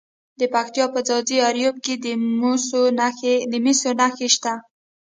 د پکتیا په ځاځي اریوب کې د مسو نښې شته.